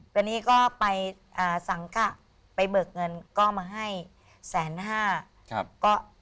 ตอนนี้ก็ไปสังกะไปเบิกเงินก็มาให้แสนห้า